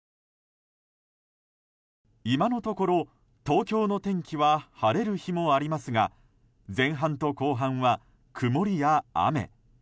今のところ、東京の天気は晴れる日もありますが前半と後半は曇りや雨。